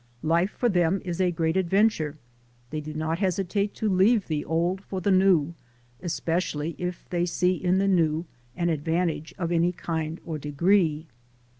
Life for them is a great adventure. They do not hesitate to leave the old for the new, especially if they see in the new an advan tage of any kind or degree.